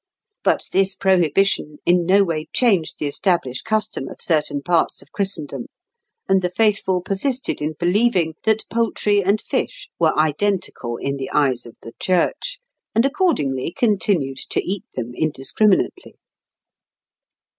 But this prohibition in no way changed the established custom of certain parts of Christendom, and the faithful persisted in believing that poultry and fish were identical in the eyes of the Church, and accordingly continued to eat them indiscriminately.